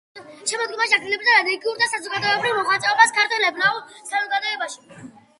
შემდგომშიც აგრძელებდა რელიგიურ და საზოგადოებრივ მოღვაწეობას ქართველ ებრაულ საზოგადოებაში.